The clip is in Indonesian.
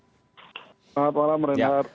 selamat malam renat